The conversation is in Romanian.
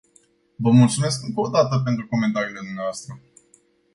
Vă mulțumesc încă o dată pentru comentariile dvs.